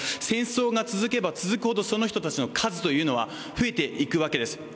戦争が続けば続くほどその人たちの数というのは増えていくわけです。